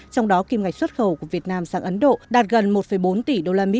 trong đó kim ngạch xuất khẩu của việt nam sang ấn độ đạt gần một bốn tỷ usd